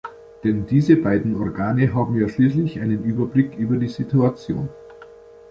Denn diese beiden Organe haben ja schließlich einen Überblick über die Situation.